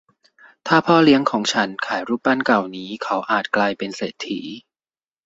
ถ้าพ่อเลี้ยงของฉันขายรูปปั้นเก่านี้เขาอาจกลายเป็นเศรษฐี